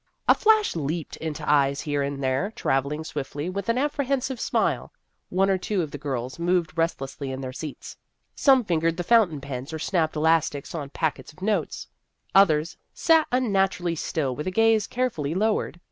A flash leaped into eyes here and there travelling swiftly with an apprehensive smile ; one or two of the girls moved restlessly in their seats ; some fingered fountain pens or snapped elastics on packets of notes ; others sat unnaturally still with a gaze carefully lowered.